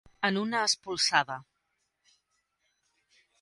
En una espolsada.